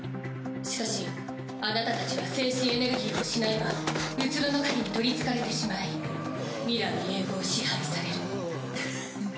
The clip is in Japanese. しかしあなたたちは精神エネルギー虚の影に取りつかれてしまい未来永劫支配される。